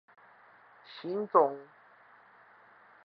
姓中